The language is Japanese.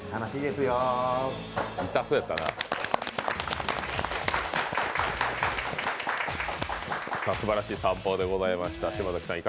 すばらしい散歩でございました。